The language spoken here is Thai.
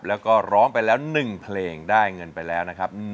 แล้วก็ร้องไปแล้ว๑เพลงได้เงินไปแล้วนะครับ